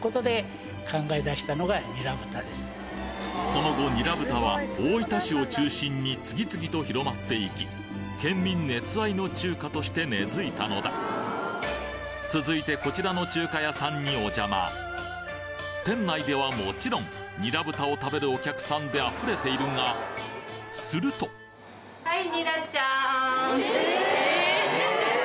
その後にら豚は大分市を中心に次々と広まっていき県民熱愛の中華として根付いたのだ続いてこちらの中華屋さんにお邪魔店内ではもちろんにら豚を食べるお客さんで溢れているがするとはい？